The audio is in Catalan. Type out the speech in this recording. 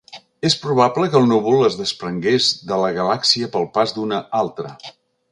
És probable que el núvol es desprengués de la galàxia pel pas d'una altra.